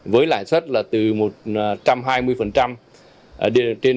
với lãi xuất là từ một trăm hai mươi trên năm đến một tỷ đồng